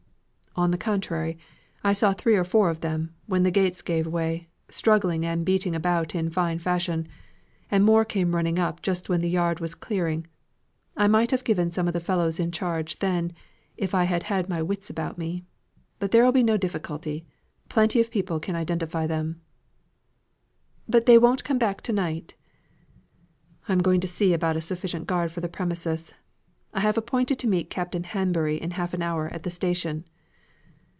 "On the contrary, I saw three or four of them, when the gates gave way, struggling and beating about in fine fashion; and more came running up just when the yard was clearing. I might have given some of the fellows in charge then, if I had had my wits about me. But there will be no difficulty, plenty of people can identify them." "But won't they come back to night?" "I'm going to see about a sufficient guard for the premises. I have appointed to meet Captain Hanbury in half an hour at the station."